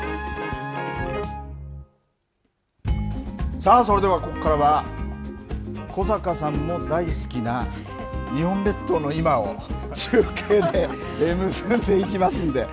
さあ、それではここからは、小坂さんも大好きな、日本列島の今を中継で結んでいきますんで。